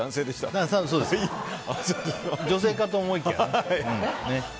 女性かと思いきやね。